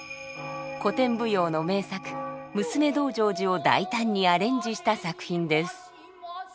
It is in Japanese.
古典舞踊の名作「娘道成寺」を大胆にアレンジした作品です。